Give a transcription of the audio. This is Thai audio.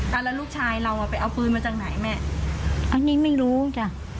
แล้วลูกชายเราอ่ะไปเอาปืนมาจากไหนแม่อันนี้ไม่รู้จ้ะ